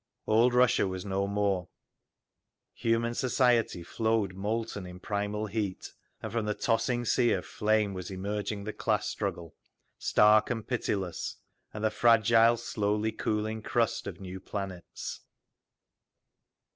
Old Russia was no more; human society flowed molten in primal heat, and from the tossing sea of flame was emerging the class struggle, stark and pitiless—and the fragile, slowly cooling crust of new planets….